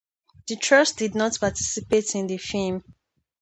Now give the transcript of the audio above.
The Trusts did not participate in the film.